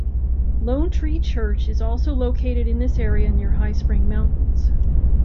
Lone Tree Church is also located in this area near High Spring Mountains.